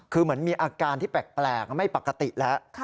คือเหมือนมีอาการที่แปลกไม่ปกติแล้ว